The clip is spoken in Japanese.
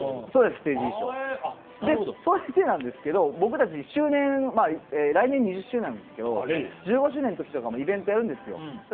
それでなんですけど、僕たち来週２０周年なんですけど１５周年のときとかもイベントやるんですよ。